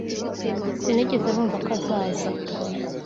Sinigeze numva ko azaza.